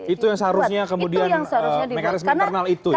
itu yang seharusnya kemudian mekanisme internal itu ya